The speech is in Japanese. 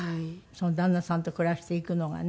その旦那さんと暮らしていくのがね。